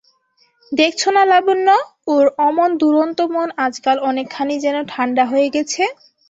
দেখছ-না লাবণ্য, ওর অমন দুরন্ত মন আজকাল অনেকখানি যেন ঠাণ্ডা হয়ে গেছে।